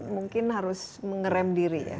mungkin harus mengerem diri ya